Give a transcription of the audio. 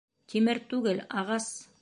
Тимер түгел, ағас!